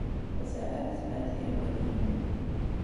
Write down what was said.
Ur terri ara tmara ad yaggad yiwen.